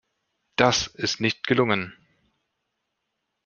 Das ist nicht gelungen.